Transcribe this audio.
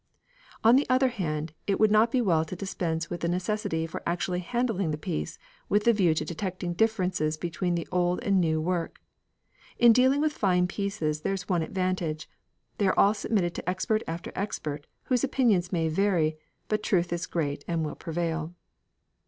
On the other hand it would not be well to dispense with the necessity for actually handling the piece with the view to detecting differences between the old and the new work. In dealing with fine pieces there is one advantage: they are submitted to expert after expert, whose opinions may vary, but truth is great and will prevail.